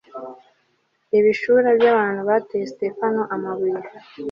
ibishura by abantu bateye sitefano amabuye